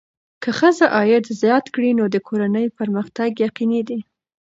که ښځه عاید زیات کړي، نو د کورنۍ پرمختګ یقیني دی.